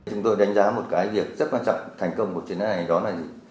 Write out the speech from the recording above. chúng tôi đánh giá một cái việc rất quan trọng thành công của chuyến đoàn này đó là gì